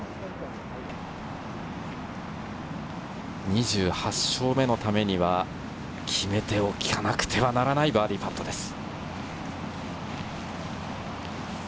２８勝目のためには、決めておかなくてはならない、バーディーパットです。